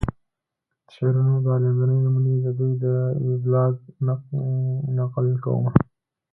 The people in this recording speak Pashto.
د شعرونو دا لاندينۍ نمونې ددوې د وېبلاګ نه نقل کومه